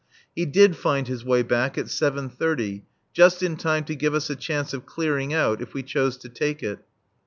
He did find his way back, at seven thirty, just in time to give us a chance of clearing out, if we chose to take it.